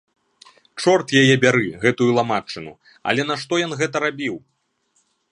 Чорт яе бяры, гэтую ламачыну, але нашто ён гэта рабіў?